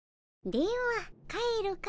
では帰るかの。